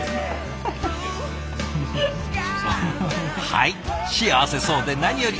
はい幸せそうで何より！